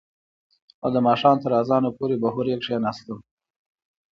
او د ماښام تر اذانه پورې به هورې کښېناستم.